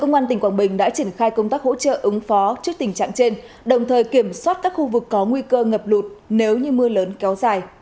công an tỉnh quảng bình đã triển khai công tác hỗ trợ ứng phó trước tình trạng trên đồng thời kiểm soát các khu vực có nguy cơ ngập lụt nếu như mưa lớn kéo dài